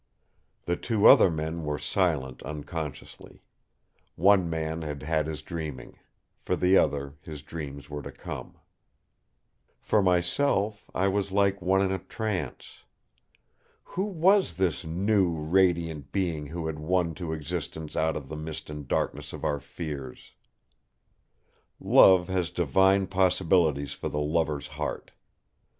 The two other men were silent unconsciously. One man had had his dreaming; for the other, his dreams were to come. For myself, I was like one in a trance. Who was this new, radiant being who had won to existence out of the mist and darkness of our fears? Love has divine possibilities for the lover's heart!